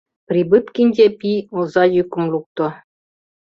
— Прибыткин Епи оза йӱкым лукто.